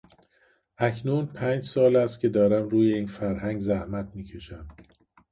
اکنون پنج سال است که دارم روی این فرهنگ زحمت میکشم.